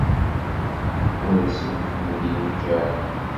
Ur asen-ten-id-yeǧǧa ara.